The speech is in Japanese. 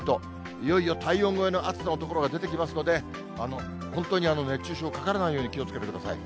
いよいよ体温超えの暑さの所が出てきますので、本当に熱中症かからないように気をつけてください。